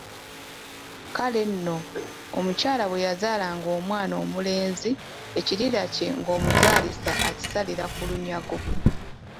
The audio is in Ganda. Kale nno, omukyala bwe yazaalanga omwana omulenzi ekirira kye ng’omuzaalisa akisalira ku lunyago.